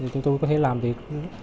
tụi tôi có thể làm việc